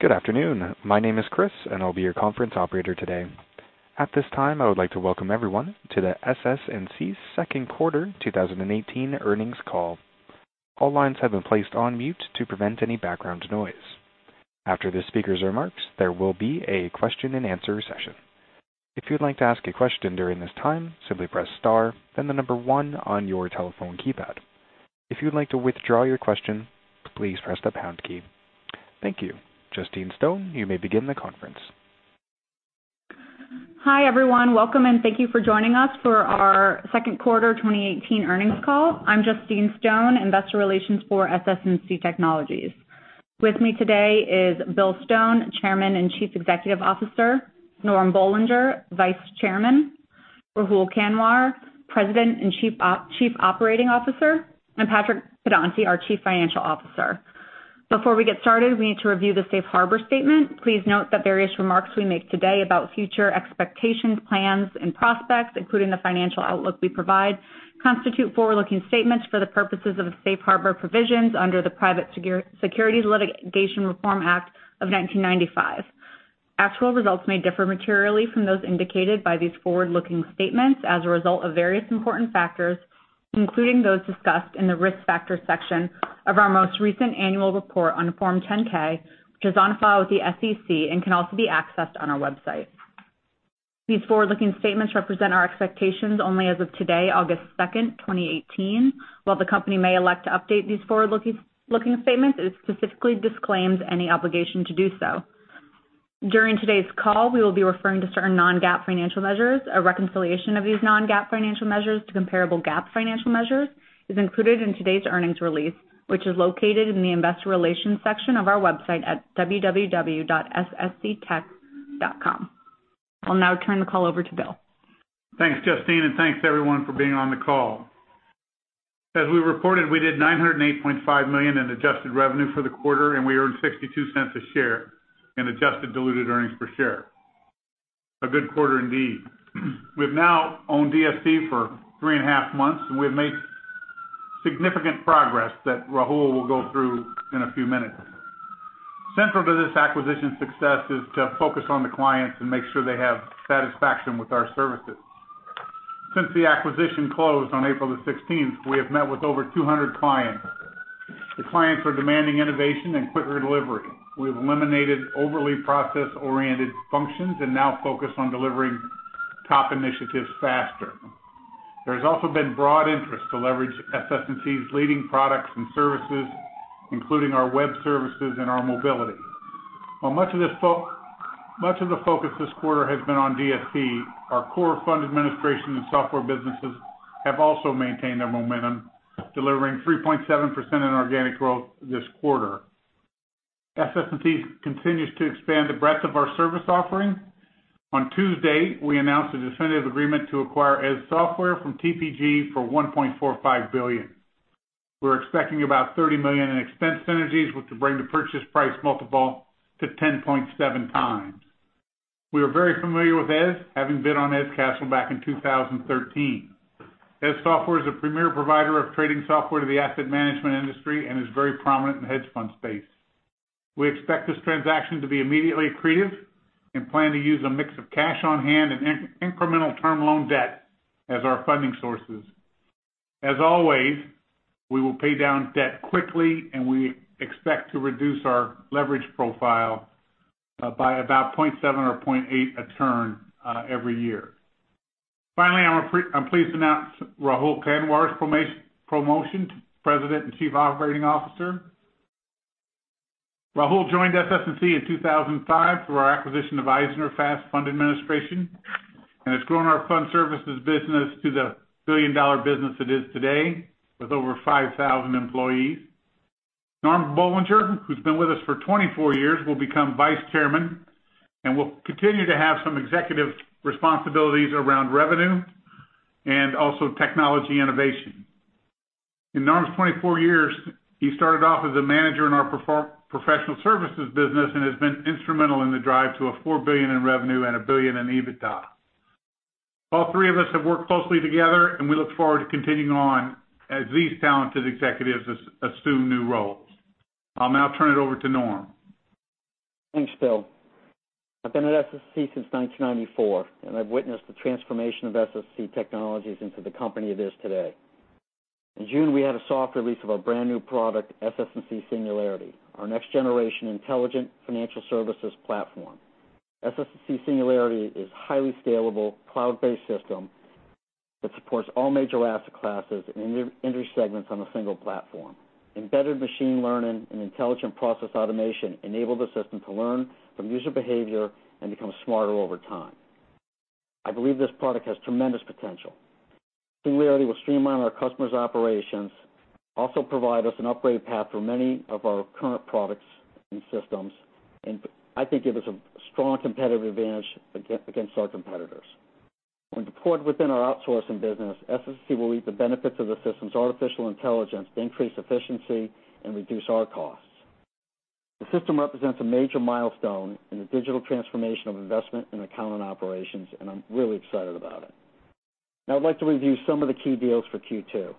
Good afternoon. My name is Chris and I'll be your conference operator today. At this time, I would like to welcome everyone to the SS&C second quarter 2018 earnings call. All lines have been placed on mute to prevent any background noise. After the speaker's remarks, there will be a question and answer session. If you'd like to ask a question during this time, simply press star, then the number 1 on your telephone keypad. If you'd like to withdraw your question, please press the pound key. Thank you. Justine Stone, you may begin the conference. Hi, everyone. Welcome. Thank you for joining us for our second quarter 2018 earnings call. I'm Justine Stone, Investor Relations for SS&C Technologies. With me today is Bill Stone, Chairman and Chief Executive Officer, Normand Boulanger, Vice Chairman, Rahul Kanwar, President and Chief Operating Officer, and Patrick Pedonti, our Chief Financial Officer. Before we get started, we need to review the Safe Harbor statement. Please note that various remarks we make today about future expectations, plans, and prospects, including the financial outlook we provide, constitute forward-looking statements for the purposes of the Safe Harbor provisions under the Private Securities Litigation Reform Act of 1995. Actual results may differ materially from those indicated by these forward-looking statements as a result of various important factors, including those discussed in the Risk Factors section of our most recent annual report on Form 10-K, which is on file with the SEC and can also be accessed on our website. These forward-looking statements represent our expectations only as of today, August 2nd, 2018. While the company may elect to update these forward-looking statements, it specifically disclaims any obligation to do so. During today's call, we will be referring to certain non-GAAP financial measures. A reconciliation of these non-GAAP financial measures to comparable GAAP financial measures is included in today's earnings release, which is located in the Investor Relations section of our website at www.ssctech.com. I'll now turn the call over to Bill. Thanks, Justine. Thanks everyone for being on the call. As we reported, we did $908.5 million in adjusted revenue for the quarter, and we earned $0.62 a share in adjusted diluted earnings per share. A good quarter indeed. We've now owned DST for three and a half months. We've made significant progress that Rahul will go through in a few minutes. Central to this acquisition's success is to focus on the clients and make sure they have satisfaction with our services. Since the acquisition closed on April the 16th, we have met with over 200 clients. The clients are demanding innovation and quicker delivery. We've eliminated overly process-oriented functions and now focus on delivering top initiatives faster. There's also been broad interest to leverage SS&C's leading products and services, including our web services and our mobility. While much of the focus this quarter has been on DST, our core fund administration and software businesses have also maintained their momentum, delivering 3.7% in organic growth this quarter. SS&C continues to expand the breadth of our service offering. On Tuesday, we announced a definitive agreement to acquire Eze Software from TPG for $1.45 billion. We are expecting about $30 million in expense synergies, which will bring the purchase price multiple to 10.7 times. We are very familiar with Eze, having bid on Eze Castle back in 2013. Eze Software is a premier provider of trading software to the asset management industry and is very prominent in the hedge fund space. We expect this transaction to be immediately accretive and plan to use a mix of cash on hand and incremental term loan debt as our funding sources. As always, we will pay down debt quickly, and we expect to reduce our leverage profile by about 0.7 or 0.8 a turn every year. Finally, I am pleased to announce Rahul Kanwar's promotion to President and Chief Operating Officer. Rahul joined SS&C in 2005 through our acquisition of EisnerFast fund administration and has grown our fund services business to the billion-dollar business it is today, with over 5,000 employees. Normand Boulanger, who has been with us for 24 years, will become Vice Chairman and will continue to have some executive responsibilities around revenue and also technology innovation. In Normand's 24 years, he started off as a manager in our professional services business and has been instrumental in the drive to $1 billion in revenue and $1 billion in EBITDA. All three of us have worked closely together, and we look forward to continuing on as these talented executives assume new roles. I'll now turn it over to Normand. Thanks, Bill. I have been at SS&C since 1994, and I have witnessed the transformation of SS&C Technologies into the company it is today. In June, we had a soft release of our brand-new product, SS&C Singularity, our next-generation intelligent financial services platform. SS&C Singularity is a highly scalable, cloud-based system that supports all major asset classes and industry segments on a single platform. Embedded machine learning and intelligent process automation enable the system to learn from user behavior and become smarter over time. I believe this product has tremendous potential. Singularity will streamline our customers' operations, also provide us an upgrade path for many of our current products and systems, and I think give us a strong competitive advantage against our competitors. When deployed within our outsourcing business, SS&C will reap the benefits of the system's artificial intelligence to increase efficiency and reduce our costs. The system represents a major milestone in the digital transformation of investment and accounting operations, I'm really excited about it. Now I'd like to review some of the key deals for Q2.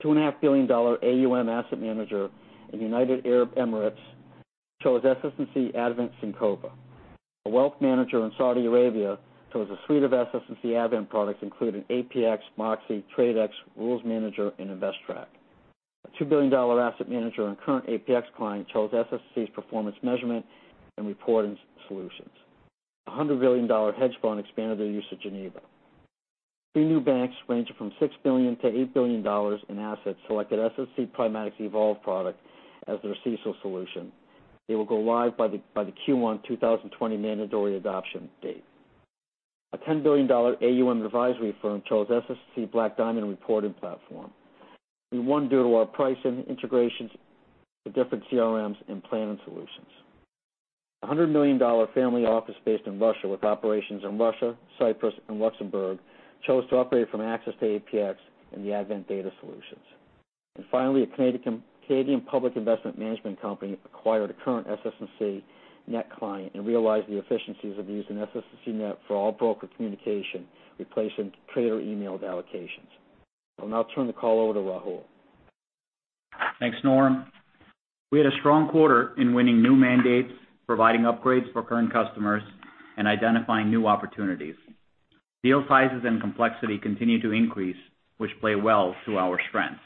A $2.5 billion AUM asset manager in United Arab Emirates chose SS&C Advent Syncova. A wealth manager in Saudi Arabia chose a suite of SS&C Advent products, including APX, Moxy, Tradex, Rules Manager, and Investrack. A $2 billion asset manager and current APX client chose SS&C's performance measurement and reporting solutions. A $100 billion hedge fund expanded their use of Geneva. Three new banks ranging from $6 billion-$8 billion in assets selected SS&C Primatics Evolve product as their CECL solution. They will go live by the Q1 2020 mandatory adoption date. A $10 billion AUM advisory firm chose SS&C Black Diamond reporting platform. We won due to our pricing, integrations with different CRMs, and planning solutions. A $100 million family office based in Russia with operations in Russia, Cyprus, and Luxembourg chose to upgrade from Axys to APX and the Advent Data Solutions. Finally, a Canadian public investment management company acquired a current SS&C Net client and realized the efficiencies of using SS&C Net for all broker communication, replacing trader emailed allocations. I'll now turn the call over to Rahul. Thanks, Norm. We had a strong quarter in winning new mandates, providing upgrades for current customers, and identifying new opportunities. Deal sizes and complexity continue to increase, which play well to our strengths.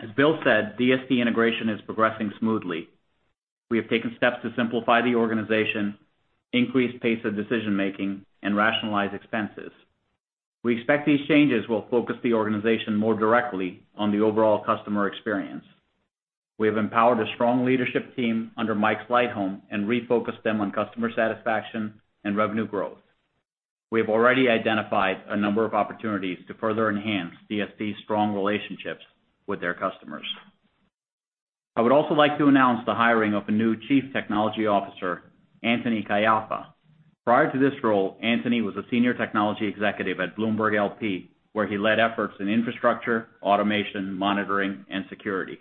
As Bill said, DST integration is progressing smoothly. We have taken steps to simplify the organization, increase pace of decision-making, and rationalize expenses. We expect these changes will focus the organization more directly on the overall customer experience. We have empowered a strong leadership team under Mike Sleightholme and refocused them on customer satisfaction and revenue growth. We have already identified a number of opportunities to further enhance DST's strong relationships with their customers. I would also like to announce the hiring of a new Chief Technology Officer, Anthony Caiafa. Prior to this role, Anthony was a senior technology executive at Bloomberg L.P., where he led efforts in infrastructure, automation, monitoring, and security.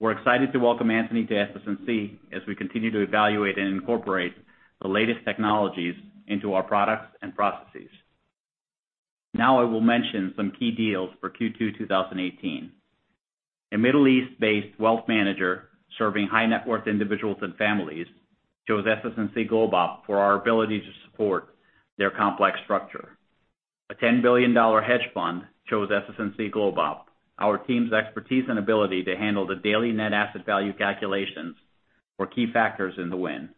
We're excited to welcome Anthony to SS&C as we continue to evaluate and incorporate the latest technologies into our products and processes. I will mention some key deals for Q2 2018. A Middle East-based wealth manager serving high-net-worth individuals and families chose SS&C GlobeOp for our ability to support their complex structure. A $10 billion hedge fund chose SS&C GlobeOp. Our team's expertise and ability to handle the daily net asset value calculations were key factors in the win.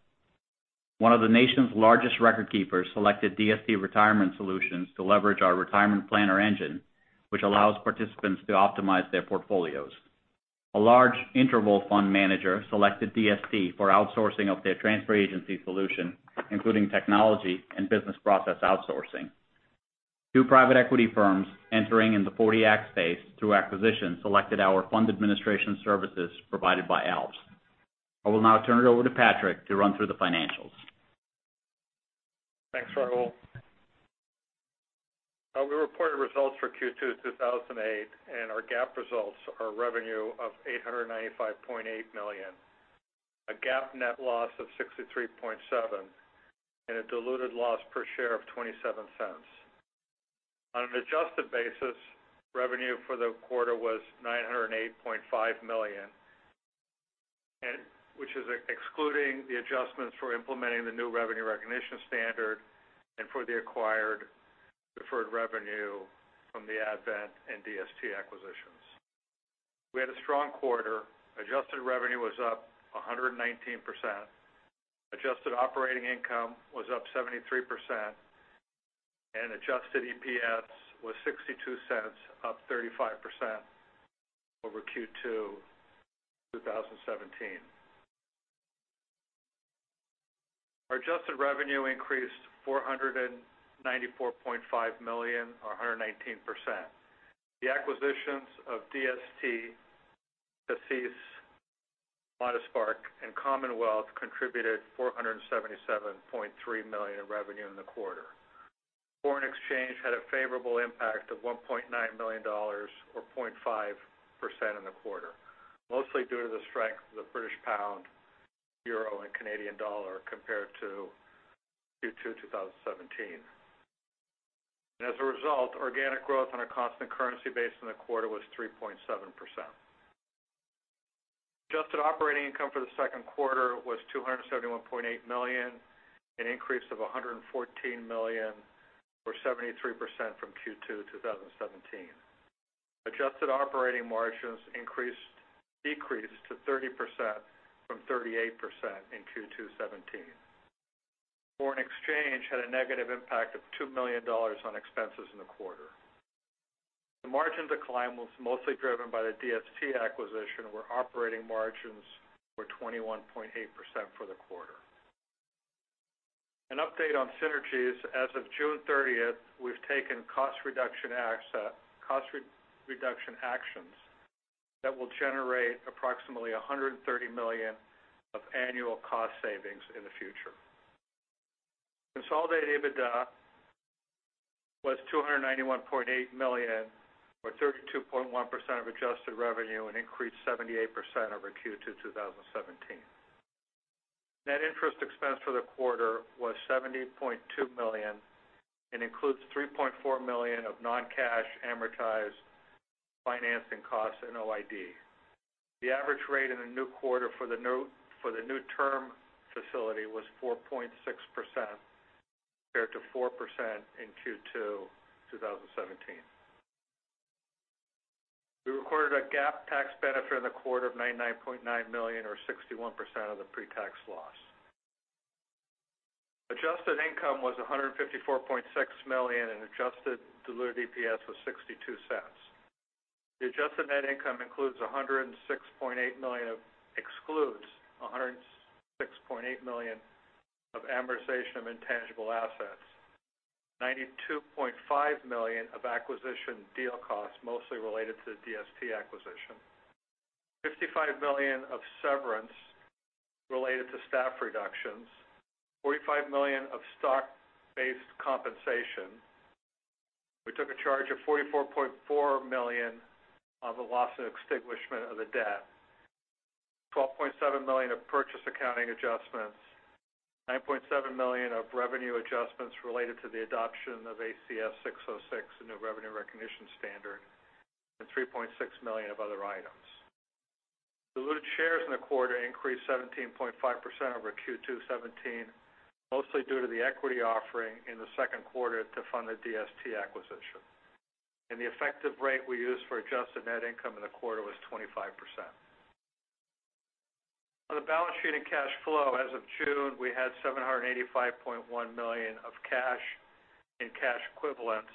One of the nation's largest record keepers selected DST Retirement Solutions to leverage our retirement planner engine, which allows participants to optimize their portfolios. A large interval fund manager selected DST for outsourcing of their transfer agency solution, including technology and business process outsourcing. Two private equity firms entering in the '40 Act space through acquisition selected our fund administration services provided by ALPS. I will now turn it over to Patrick to run through the financials. Thanks, Rahul. We reported results for Q2 [2018], and our GAAP results are revenue of $895.8 million, a GAAP net loss of $63.7 million, and a diluted loss per share of $0.27. On an adjusted basis, revenue for the quarter was $908.5 million, which is excluding the adjustments for implementing the new revenue recognition standard and for the acquired deferred revenue from the Advent and DST acquisitions. We had a strong quarter. Adjusted revenue was up 119%, adjusted operating income was up 73%, and adjusted EPS was $0.62, up 35% over Q2 2017. Our adjusted revenue increased $494.5 million, or 119%. The acquisitions of DST, CACEIS, Modestspark, and CommonWealth contributed $477.3 million of revenue in the quarter. Foreign exchange had a favorable impact of $1.9 million, or 0.5% in the quarter, mostly due to the strength of the British pound, euro, and Canadian dollar compared to Q2 2017. As a result, organic growth on a constant currency base in the quarter was 3.7%. Adjusted operating income for the second quarter was $271.8 million, an increase of $114 million, or 73% from Q2 2017. Adjusted operating margins decreased to 30% from 38% in Q2 2017. Foreign exchange had a negative impact of $2 million on expenses in the quarter. The margin decline was mostly driven by the DST acquisition, where operating margins were 21.8% for the quarter. An update on synergies: as of June 30th, we've taken cost reduction actions that will generate approximately $130 million of annual cost savings in the future. Consolidated EBITDA was $291.8 million, or 32.1% of adjusted revenue, an increase 78% over Q2 2017. Net interest expense for the quarter was $70.2 million and includes $3.4 million of non-cash amortized financing costs and OID. The average rate in the new quarter for the new term facility was 4.6% compared to 4% in Q2 2017. We recorded a GAAP tax benefit in the quarter of $99.9 million or 61% of the pre-tax loss. Adjusted income was $154.6 million, and adjusted diluted EPS was $0.62. The adjusted net income excludes $106.8 million of amortization of intangible assets, $92.5 million of acquisition deal costs, mostly related to the DST acquisition, $55 million of severance related to staff reductions, $45 million of stock-based compensation. We took a charge of $44.4 million on the loss and extinguishment of the debt, $12.7 million of purchase accounting adjustments, $9.7 million of revenue adjustments related to the adoption of ASC 606, the new revenue recognition standard, and $3.6 million of other items. Diluted shares in the quarter increased 17.5% over Q2 2017, mostly due to the equity offering in the second quarter to fund the DST acquisition. The effective rate we used for adjusted net income in the quarter was 25%. On the balance sheet and cash flow, as of June, we had $785.1 million of cash and cash equivalents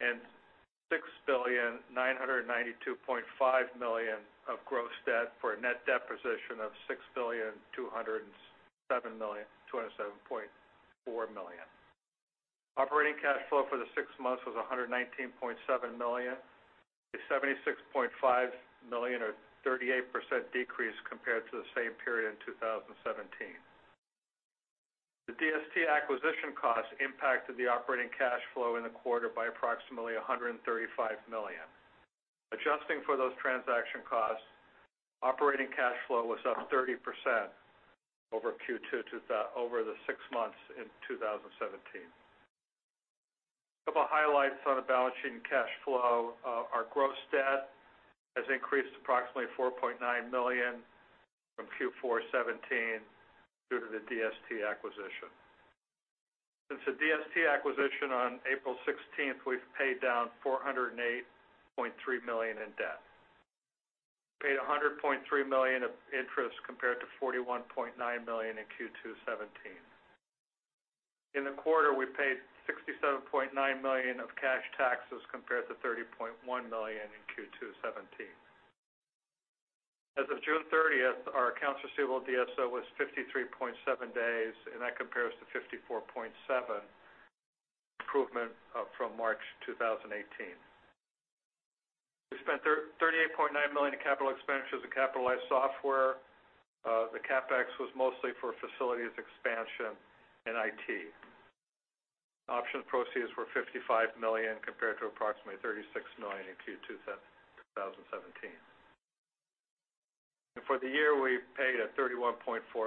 and $6,992.5 million of gross debt for a net debt position of $6,207.4 million. Operating cash flow for the six months was $119.7 million, a $76.5 million or 38% decrease compared to the same period in 2017. The DST acquisition cost impacted the operating cash flow in the quarter by approximately $135 million. Adjusting for those transaction costs, operating cash flow was up 30% over the six months in 2017. Couple highlights on the balance sheet and cash flow. Our gross debt has increased approximately $4.9 million from Q4 2017 due to the DST acquisition. Since the DST acquisition on April 16th, we've paid down $408.3 million in debt. Paid $100.3 million of interest compared to $41.9 million in Q2 2017. In the quarter, we paid $67.9 million of cash taxes compared to $30.1 million in Q2 2017. As of June 30th, our accounts receivable DSO was 53.7 days, and that compares to 54.7, improvement from March 2018. We spent $38.9 million in capital expenditures and capitalized software. The CapEx was mostly for facilities expansion and IT. Option proceeds were $55 million compared to approximately $36 million in Q2 2017. For the year, we paid a $31.4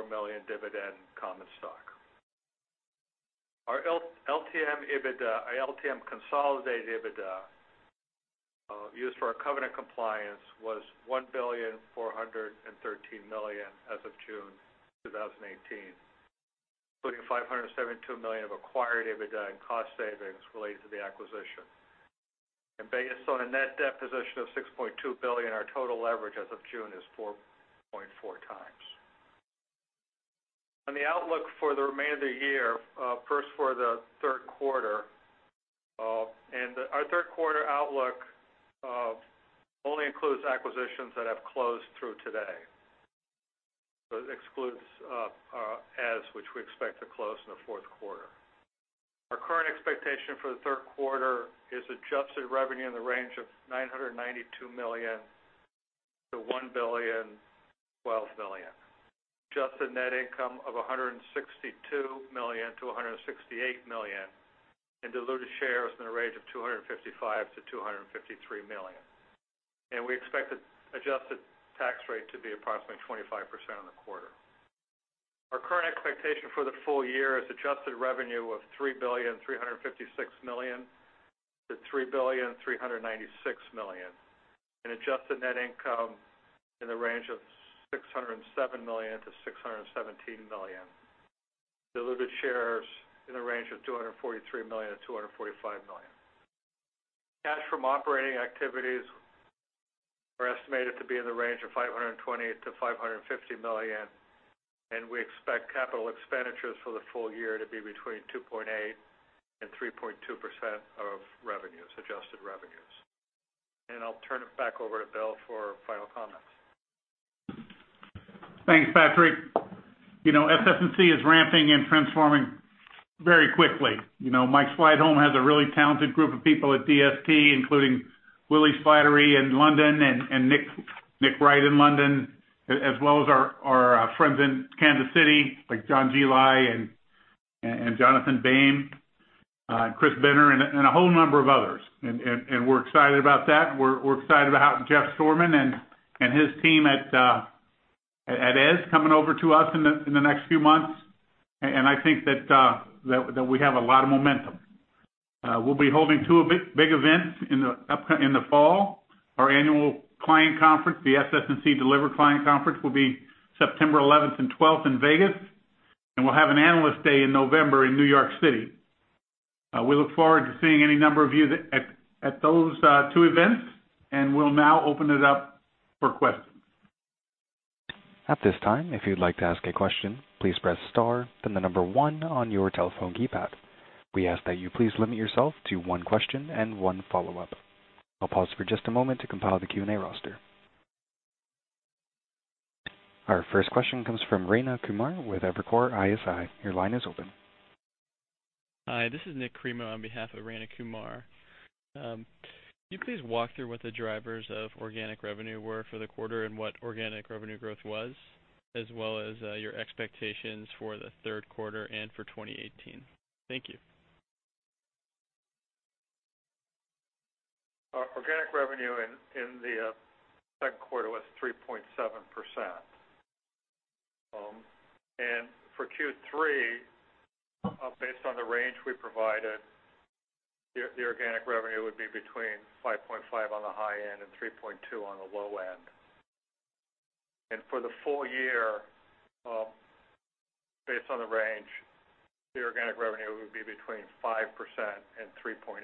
million dividend common stock. Our LTM EBITDA, our LTM consolidated EBITDA used for our covenant compliance was $1.413 billion as of June 2018, including $572 million of acquired EBITDA and cost savings related to the acquisition. Based on a net debt position of $6.2 billion, our total leverage as of June is 4.4 times. On the outlook for the remainder of the year, first for the third quarter. Our third quarter outlook only includes acquisitions that have closed through today. It excludes Eze, which we expect to close in the fourth quarter. Our current expectation for the third quarter is adjusted revenue in the range of $992 million to $1.012 billion. Adjusted net income of $162 million to $168 million, and diluted shares in the range of 255 million to 253 million. We expect adjusted tax rate to be approximately 25% on the quarter. Our current expectation for the full year is adjusted revenue of $3.356 billion to $3.396 billion and adjusted net income in the range of $607 million to $617 million. Diluted shares in the range of 243 million to 245 million. Cash from operating activities are estimated to be in the range of $520 million to $550 million, and we expect capital expenditures for the full year to be between 2.8% and 3.2% of revenues, adjusted revenues. I'll turn it back over to Bill for final comments. Thanks, Patrick. SS&C is ramping and transforming very quickly. Mike Sleightholme has a really talented group of people at DST, including Willy Slattery in London and Nick Wright in London, as well as our friends in Kansas City, like John Geli and Jonathan Bain. Chris Benner, and a whole number of others. We're excited about that. We're excited about Jeff Shoreman and his team at Eze coming over to us in the next few months. I think that we have a lot of momentum. We'll be holding two big events in the fall. Our annual client conference, the SS&C Deliver client conference, will be September 11th and 12th in Vegas, and we'll have an Analyst Day in November in New York City. We look forward to seeing any number of you at those two events, we'll now open it up for questions. At this time, if you'd like to ask a question, please press star, then the number one on your telephone keypad. We ask that you please limit yourself to one question and one follow-up. I'll pause for just a moment to compile the Q&A roster. Our first question comes from Rayna Kumar with Evercore ISI. Your line is open. Hi, this is Nikolai Cremo on behalf of Rayna Kumar. Can you please walk through what the drivers of organic revenue were for the quarter, what organic revenue growth was, as well as your expectations for the third quarter and for 2018? Thank you. Our organic revenue in the second quarter was 3.7%. For Q3, based on the range we provided, the organic revenue would be between 5.5% on the high end and 3.2% on the low end. For the full year, based on the range, the organic revenue would be between 5% and 3.8%.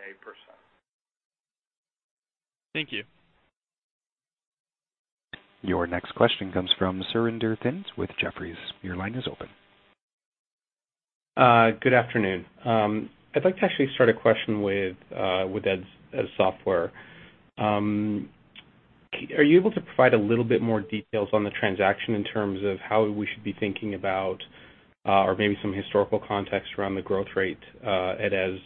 Thank you. Your next question comes from Surinder Thind with Jefferies. Your line is open. Good afternoon. I'd like to actually start a question with Eze Software. Are you able to provide a little bit more details on the transaction in terms of how we should be thinking about Or maybe some historical context around the growth rate at Eze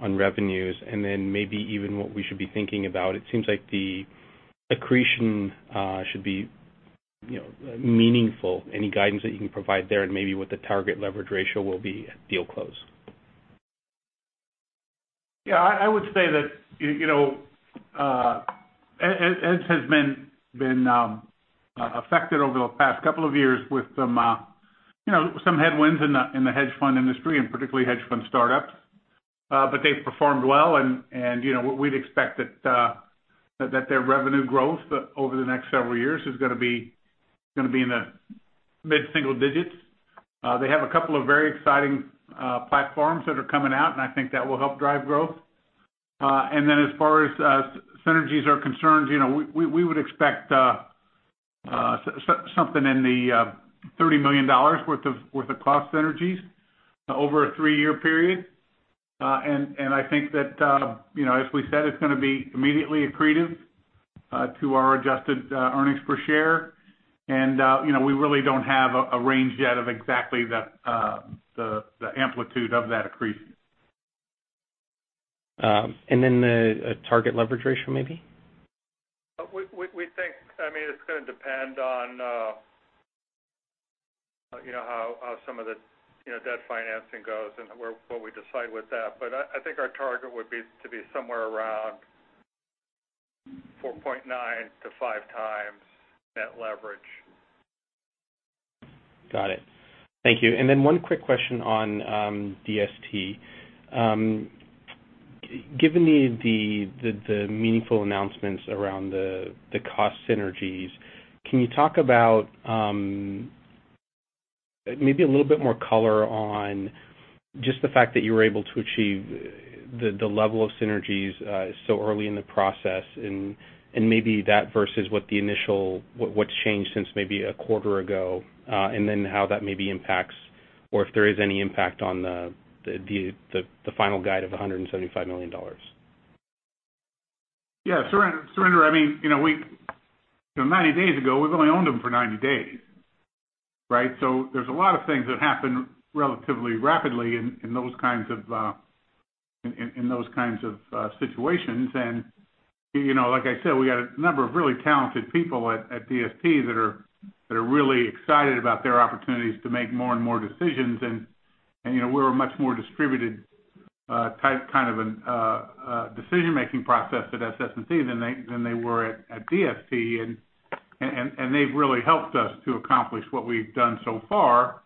on revenues, and then maybe even what we should be thinking about. It seems like the accretion should be meaningful. Any guidance that you can provide there, and maybe what the target leverage ratio will be at deal close? I would say that DST has been affected over the past couple of years with some headwinds in the hedge fund industry, and particularly hedge fund startups. They've performed well, and we'd expect that their revenue growth over the next several years is going to be in the mid-single digits. They have a couple of very exciting platforms that are coming out, and I think that will help drive growth. As far as synergies are concerned, we would expect something in the $30 million worth of cost synergies over a three-year period. I think that, as we said, it's going to be immediately accretive to our adjusted earnings per share. We really don't have a range yet of exactly the amplitude of that accretion. The target leverage ratio, maybe? We think it's going to depend on how some of the debt financing goes and what we decide with that. I think our target would be to be somewhere around 4.9 to five times net leverage. Got it. Thank you. One quick question on DST. Given the meaningful announcements around the cost synergies, can you talk about maybe a little bit more color on just the fact that you were able to achieve the level of synergies so early in the process, and maybe that versus what's changed since maybe a quarter ago, and then how that maybe impacts or if there is any impact on the final guide of $175 million. Yeah. Surinder, 90 days ago, we've only owned them for 90 days, right? There's a lot of things that happen relatively rapidly in those kinds of situations. Like I said, we got a number of really talented people at DST that are really excited about their opportunities to make more and more decisions. We're a much more distributed type kind of decision-making process at SS&C than they were at DST. They've really helped us to accomplish what we've done so far.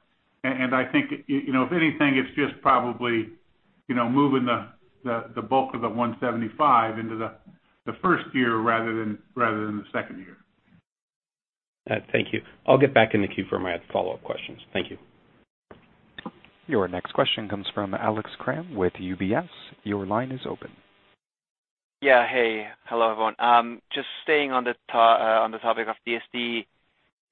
I think if anything, it's just probably moving the bulk of the 175 into the first year rather than the second year. Thank you. I'll get back in the queue for my follow-up questions. Thank you. Your next question comes from Alex Kramm with UBS. Your line is open. Yeah. Hey. Hello, everyone. Just staying on the topic of DST,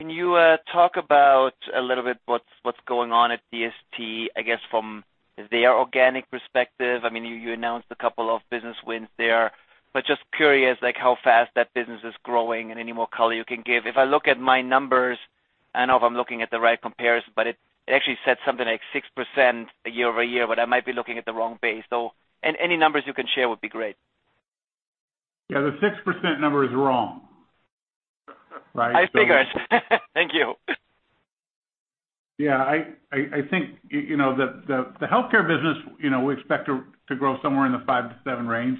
can you talk about a little bit what's going on at DST, I guess, from their organic perspective? You announced a couple of business wins there. Just curious, how fast that business is growing and any more color you can give. If I look at my numbers, I don't know if I'm looking at the right comparison, it actually said something like 6% year-over-year. I might be looking at the wrong base. Any numbers you can share would be great. Yeah, the 6% number is wrong I see guys. Thank you. Yeah. I think the healthcare business, we expect to grow somewhere in the 5%-7% range.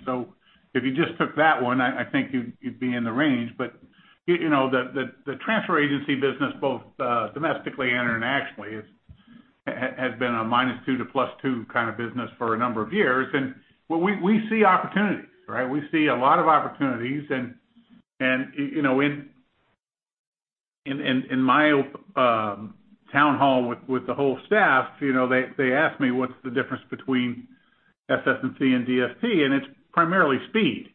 If you just took that one, I think you'd be in the range. The transfer agency business, both domestically and internationally, has been a -2% to +2% kind of business for a number of years. We see opportunities, right? We see a lot of opportunities and in my town hall with the whole staff, they ask me what's the difference between SS&C and DST, and it's primarily speed.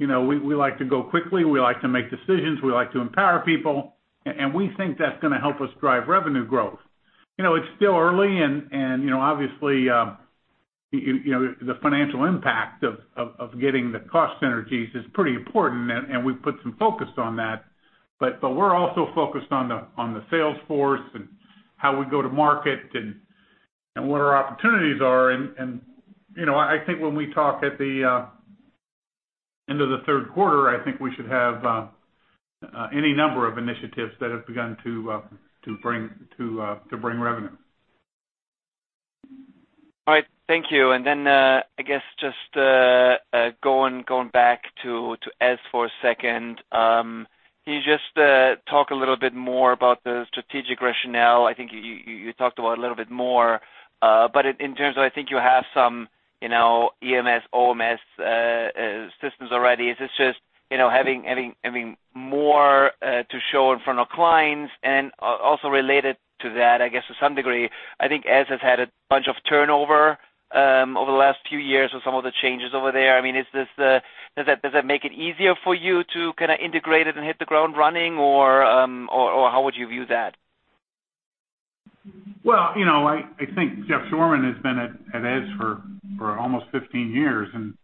We like to go quickly, we like to make decisions, we like to empower people, and we think that's going to help us drive revenue growth. It's still early and obviously, the financial impact of getting the cost synergies is pretty important, and we've put some focus on that. We're also focused on the sales force and how we go to market and what our opportunities are. I think when we talk at the end of the third quarter, I think we should have any number of initiatives that have begun to bring revenue. All right. Thank you. Then, I guess just going back to Eze for a second. Can you just talk a little bit more about the strategic rationale? I think you talked about a little bit more, but in terms of, I think you have some EMS, OMS systems already. Is this just having more to show in front of clients? Also related to that, I guess to some degree, I think Eze has had a bunch of turnover over the last few years with some of the changes over there. Does that make it easier for you to kind of integrate it and hit the ground running, or how would you view that? Well, I think Jeffrey Shoreman has been at Eze for almost 15 years and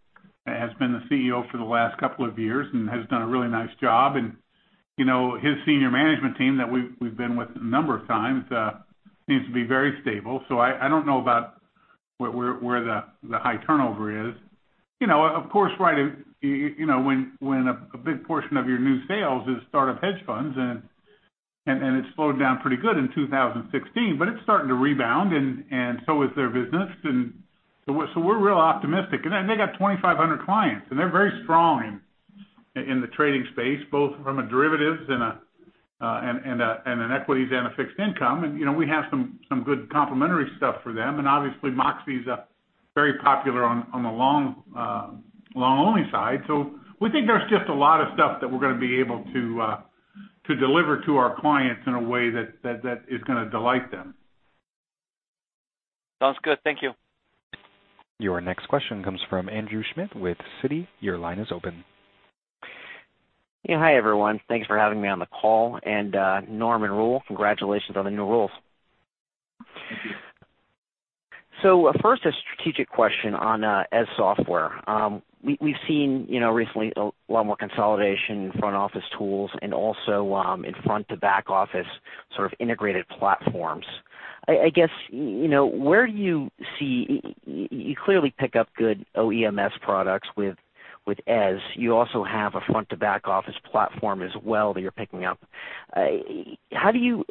has been the CEO for the last couple of years and has done a really nice job. His senior management team that we've been with a number of times seems to be very stable. I don't know about where the high turnover is. Of course, when a big portion of your new sales is startup hedge funds, it slowed down pretty good in 2016, but it's starting to rebound, and so is their business. We're real optimistic. They got 2,500 clients, and they're very strong in the trading space, both from a derivatives and an equities and a fixed income. Obviously Moxy's very popular on the loan-only side. We think there's just a lot of stuff that we're going to be able to deliver to our clients in a way that is going to delight them. Sounds good. Thank you. Your next question comes from Andrew Schmidt with Citi. Your line is open. Yeah. Hi, everyone. Thanks for having me on the call. Norm and Rahul, congratulations on the new roles. Thank you. First, a strategic question on Eze Software. We've seen recently a lot more consolidation in front office tools and also in front to back office sort of integrated platforms. I guess, you clearly pick up good OEMS products with Eze. You also have a front to back office platform as well that you're picking up. How do you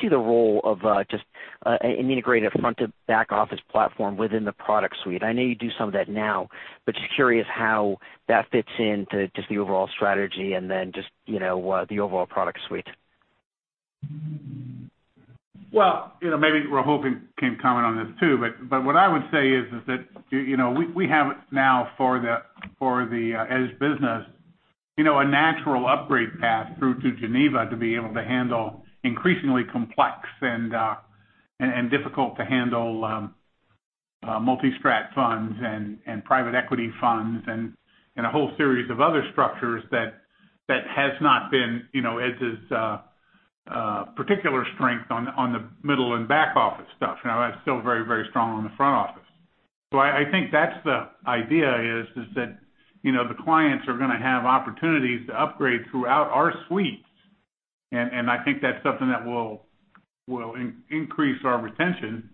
see the role of just an integrated front to back office platform within the product suite? I know you do some of that now, but just curious how that fits into just the overall strategy and then just the overall product suite. Well, maybe Rahul can comment on this too, but what I would say is that we have it now for the Eze business, a natural upgrade path through to Geneva to be able to handle increasingly complex and difficult to handle multi-strat funds and private equity funds and a whole series of other structures that has not been Eze's particular strength on the middle and back office stuff. It's still very strong on the front office. I think that's the idea is that the clients are going to have opportunities to upgrade throughout our suites. I think that's something that will increase our retention,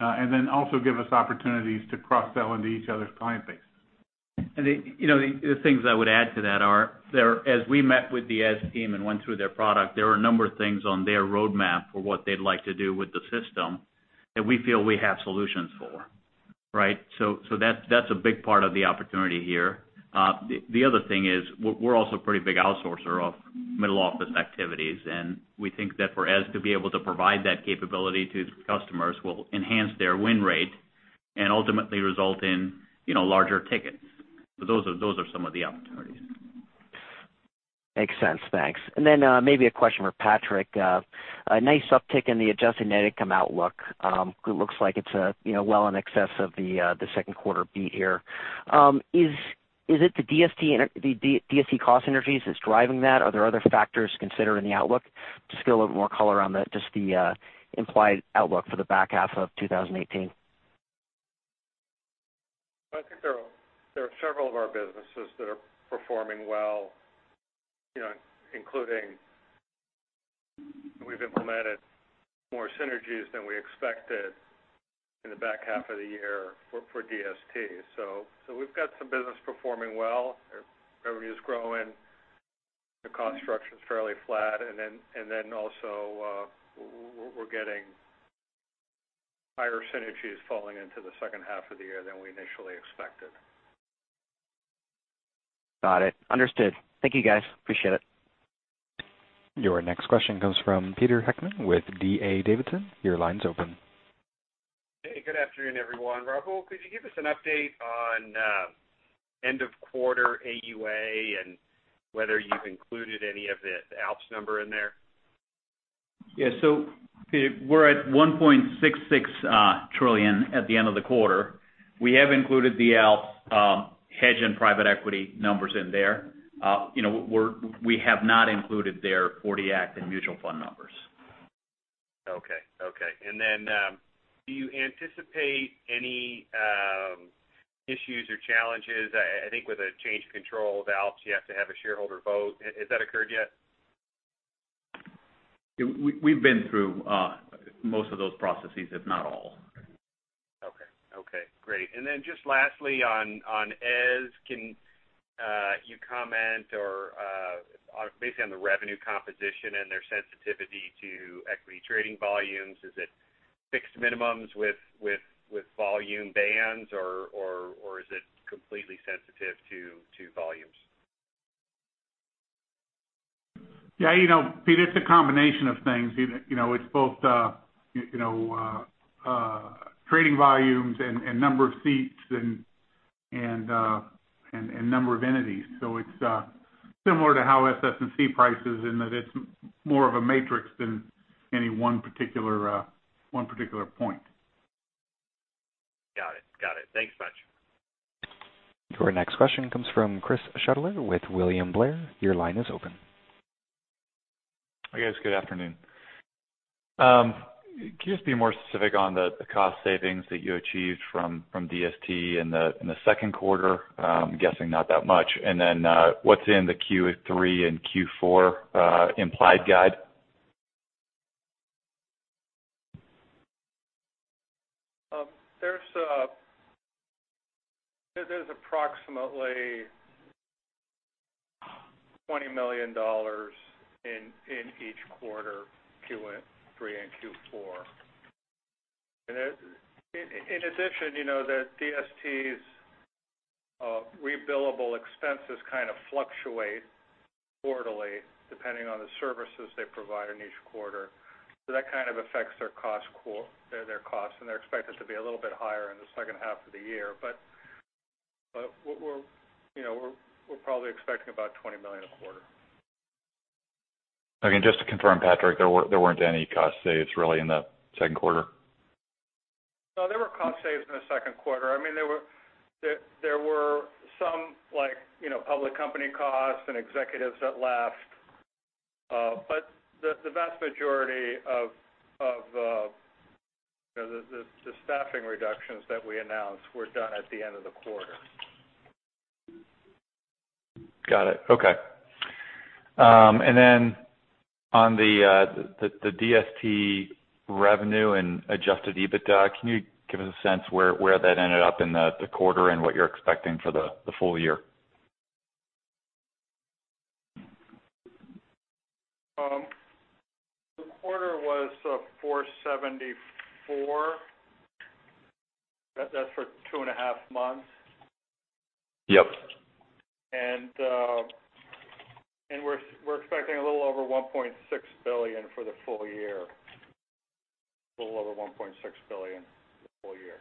and then also give us opportunities to cross-sell into each other's client base. The things I would add to that are, as we met with the Eze team and went through their product, there were a number of things on their roadmap for what they'd like to do with the system that we feel we have solutions for, right? That's a big part of the opportunity here. The other thing is we're also a pretty big outsourcer of middle office activities, and we think that for Eze to be able to provide that capability to customers will enhance their win rate and ultimately result in larger tickets. Those are some of the opportunities. Makes sense. Thanks. Then, maybe a question for Patrick. A nice uptick in the adjusted net income outlook. It looks like it's well in excess of the second quarter beat here. Is it the DST cost synergies that's driving that? Are there other factors considered in the outlook? Just to get a little bit more color on just the implied outlook for the back half of 2018. I think there are several of our businesses that are performing well, including We've implemented more synergies than we expected in the back half of the year for DST. We've got some business performing well. Revenue's growing, the construction's fairly flat, and then also we're getting higher synergies falling into the second half of the year than we initially expected. Got it. Understood. Thank you, guys. Appreciate it. Your next question comes from Peter Heckmann with D.A. Davidson. Your line's open. Hey, good afternoon, everyone. Rahul, could you give us an update on end of quarter AUA and whether you've included any of the ALPS number in there? Yeah. We're at 1.66 trillion at the end of the quarter. We have included the ALPS hedge and private equity numbers in there. We have not included their '40 Act and mutual fund numbers. Okay. Do you anticipate any issues or challenges? I think with a change of control with ALPS, you have to have a shareholder vote. Has that occurred yet? We've been through most of those processes, if not all. Okay, great. Just lastly, on Eze, can you comment or basically on the revenue composition and their sensitivity to equity trading volumes? Is it fixed minimums with volume bands, or is it completely sensitive to volumes? Peter, it's a combination of things. It's both trading volumes and number of seats and number of entities. It's similar to how SS&C prices in that it's more of a matrix than any one particular point. Got it. Thanks much. Your next question comes from Chris Shutler with William Blair. Your line is open. Hi, guys. Good afternoon. Can you just be more specific on the cost savings that you achieved from DST in the second quarter? I'm guessing not that much. What's in the Q3 and Q4 implied guide? There's approximately $20 million in each quarter, Q3 and Q4. In addition, the DST's re-billable expenses kind of fluctuate quarterly depending on the services they provide in each quarter. That kind of affects their costs, and they're expected to be a little bit higher in the second half of the year. We're probably expecting about $20 million a quarter. Again, just to confirm, Patrick, there weren't any cost saves really in the second quarter? No, there were cost saves in the second quarter. There were some public company costs and executives that left. The vast majority of the staffing reductions that we announced were done at the end of the quarter. Got it. Okay. On the DST revenue and adjusted EBITDA, can you give us a sense where that ended up in the quarter and what you're expecting for the full year? The quarter was $474. That's for two and a half months. Yep. We're expecting a little over $1.6 billion for the full year. A little over $1.6 billion for the full year.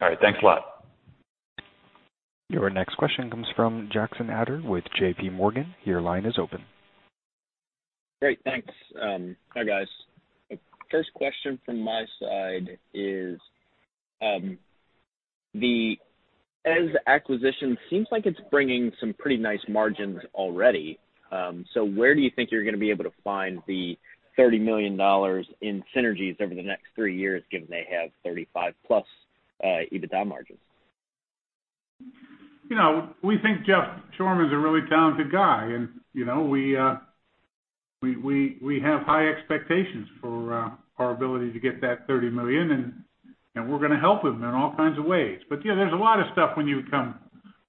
All right. Thanks a lot. Your next question comes from Jackson Ader with J.P. Morgan. Your line is open. Great. Thanks. Hi, guys. First question from my side is, the Eze acquisition seems like it's bringing some pretty nice margins already. Where do you think you're going to be able to find the $30 million in synergies over the next 3 years, given they have 35 plus EBITDA margins? We think Jeff Shoreman is a really talented guy, and we have high expectations for our ability to get that $30 million, and we're going to help him in all kinds of ways. There's a lot of stuff when you become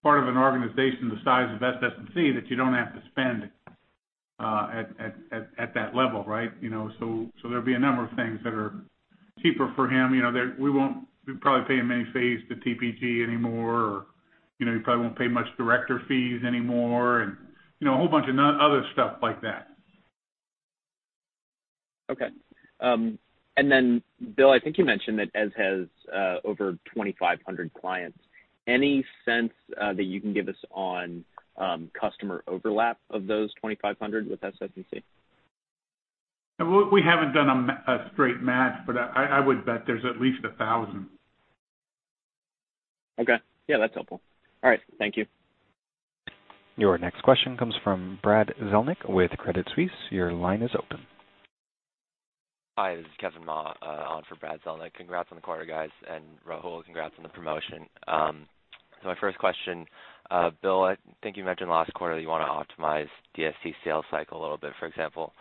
part of an organization the size of SS&C that you don't have to spend at that level, right? There'll be a number of things that are cheaper for him. We won't be probably paying many fees to TPG anymore, or he probably won't pay much director fees anymore and a whole bunch of other stuff like that. Okay. Bill, I think you mentioned that Eze has over 2,500 clients. Any sense that you can give us on customer overlap of those 2,500 with SS&C? We haven't done a straight match, I would bet there's at least 1,000. Okay. Yeah, that's helpful. All right. Thank you. Your next question comes from Brad Zelnick with Credit Suisse. Your line is open Hi, this is Kevin Ma, on for Brad Zelnick. Congrats on the quarter, guys. Rahul, congrats on the promotion. My first question. Bill, I think you mentioned last quarter that you want to optimize DST sales cycle a little bit. For example,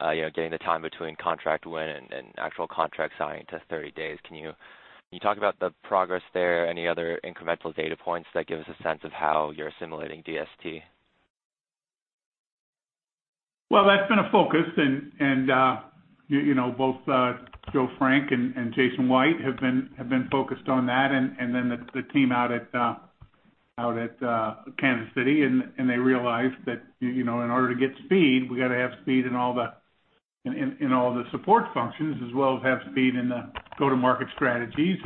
getting the time between contract win and actual contract signing to 30 days. Can you talk about the progress there? Any other incremental data points that give us a sense of how you're assimilating DST? Well, that's been a focus. Both Joseph Frank and Jason White have been focused on that, the team out at Kansas City, and they realize that in order to get speed, we got to have speed in all the support functions as well as have speed in the go-to-market strategies,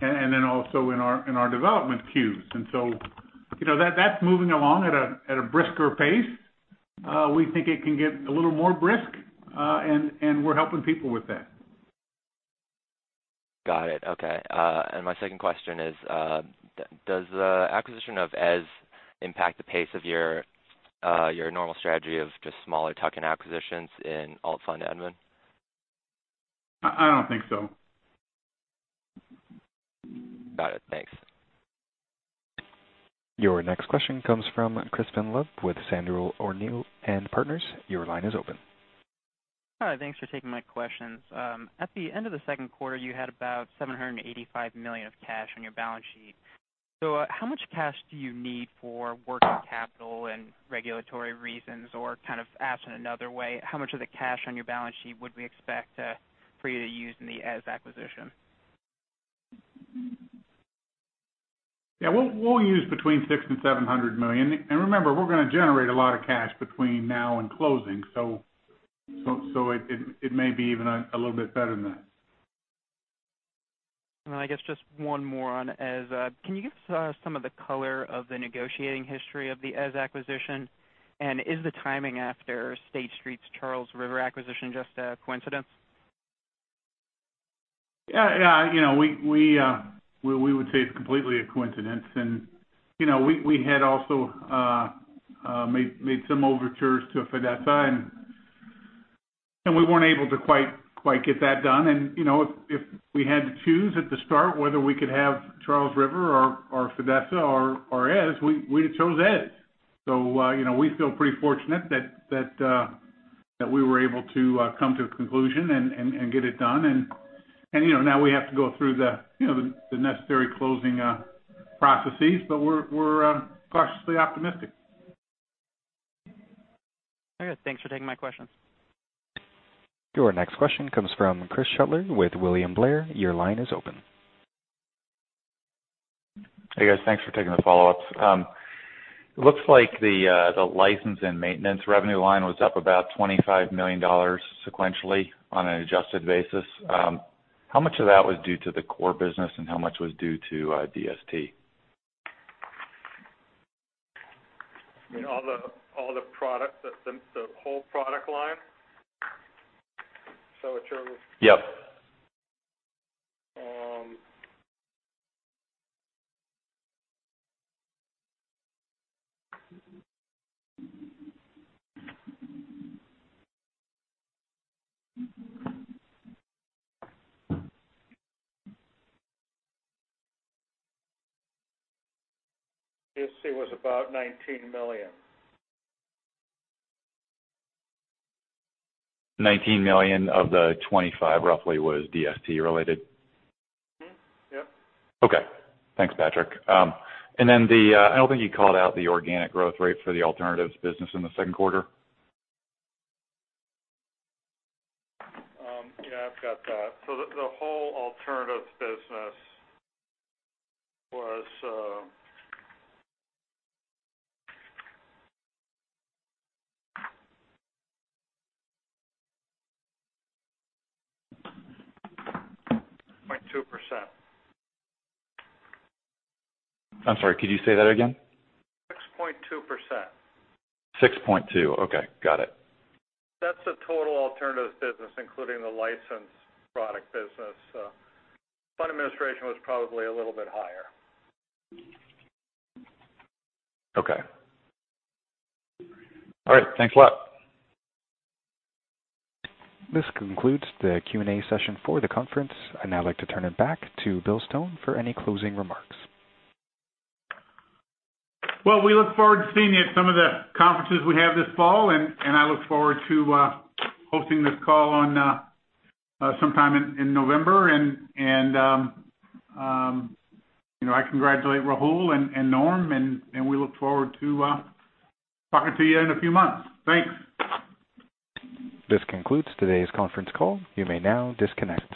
also in our development queues. That's moving along at a brisker pace. We think it can get a little more brisk, and we're helping people with that. Got it. Okay. My second question is, does the acquisition of Eze impact the pace of your normal strategy of just smaller tuck-in acquisitions in Alternative Fund Administration? I don't think so. Got it. Thanks. Your next question comes from Crispin Love with Sandler O'Neill + Partners. Your line is open. Hi, thanks for taking my questions. At the end of the second quarter, you had about $785 million of cash on your balance sheet. How much cash do you need for working capital and regulatory reasons? Kind of asked in another way, how much of the cash on your balance sheet would we expect for you to use in the Eze acquisition? Yeah. We'll use between $600 million and $700 million. Remember, we're going to generate a lot of cash between now and closing, so it may be even a little bit better than that. Then I guess just one more on Eze. Can you give us some of the color of the negotiating history of the Eze acquisition? Is the timing after State Street's Charles River acquisition just a coincidence? Yeah. We would say it's completely a coincidence. We had also made some overtures to Fidessa, and we weren't able to quite get that done. If we had to choose at the start whether we could have Charles River or Fidessa or Eze, we'd have chose Eze. We feel pretty fortunate that we were able to come to a conclusion and get it done. Now we have to go through the necessary closing processes, but we're cautiously optimistic. Okay. Thanks for taking my questions. Your next question comes from Chris Shutler with William Blair. Your line is open. Hey, guys. Thanks for taking the follow-ups. It looks like the license and maintenance revenue line was up about $25 million sequentially on an adjusted basis. How much of that was due to the core business, and how much was due to DST? You mean all the product, the whole product line? Yep. DST was about $19 million. $19 million of the $25 roughly was DST related? Mm-hmm. Yep. Okay. Thanks, Patrick. Then I don't think you called out the organic growth rate for the alternatives business in the second quarter. Yeah, I've got that. The whole alternatives business was 6.2%. I'm sorry, could you say that again? 6.2%. 6.2. Okay, got it. That's the total alternatives business, including the license product business. Fund administration was probably a little bit higher. Okay. All right. Thanks a lot. This concludes the Q&A session for the conference. I'd now like to turn it back to Bill Stone for any closing remarks. Well, we look forward to seeing you at some of the conferences we have this fall, and I look forward to hosting this call sometime in November. I congratulate Rahul and Norm, we look forward to talking to you in a few months. Thanks. This concludes today's conference call. You may now disconnect.